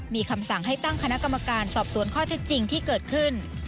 มีคำสั่งให้ตั้งคณะกรรมการสอบสวนข้อเท็จจริงที่เกิดขึ้น